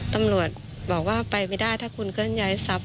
ตำรวจบอกว่าไปไม่ได้ถ้าคุณก็ย้ายสับ